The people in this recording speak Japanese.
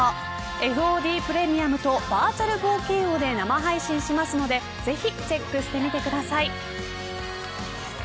ＦＯＤプレミアムとバーチャル冒険王で生配信しますのでぜひチェックしてみてください。